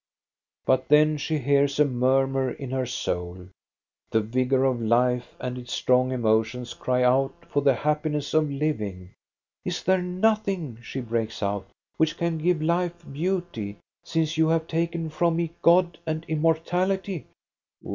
But then she hears a murmur in her soul. The vigor of life and its strong emotions cry out for the happiness of living. " Is there nothing," she breaks out, " which can give life beauty, since you have taken from me God and immortality?